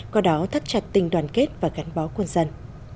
có đó thắt chặt tình đoàn kết và gắn bó quân dân